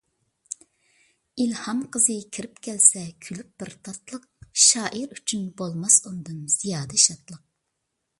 ئىلھام قىزى كىرىپ كەلسە كۈلۈپ بىر تاتلىق، شائىر ئۈچۈن بولماس ئۇندىن زىيادە شادلىق.